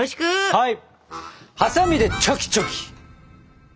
はい！